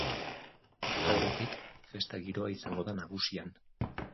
Aurretik, festa-giroa izango da nagusi han.